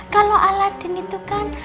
kalau aladin itu kan